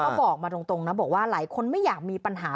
ก็บอกมาตรงนะบอกว่าหลายคนไม่อยากมีปัญหา